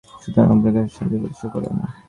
সুতরাং অপরের কাছে সাহায্যের প্রত্যাশা করো না।